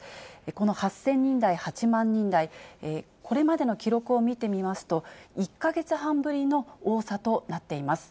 この８０００人台、８万人台、これまでの記録を見てみますと、１か月半ぶりの多さとなっています。